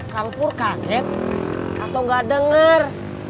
kang pur kaget atau gak denger